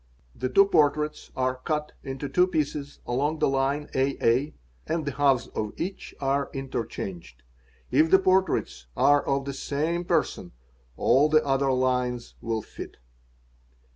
The two portraits are cut into two pieces along the line aa and e halves.of each are interchanged. If the portraits are of the same rson all the other lines will fit.